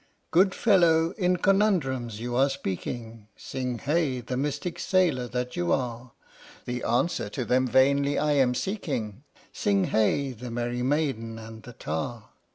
Good fellow, in conundrums you are speaking (Sing hey, the mystic sailor that you are), The answer to them vainly I am seeking (Sing hey, the Merry Maiden and the Tar!).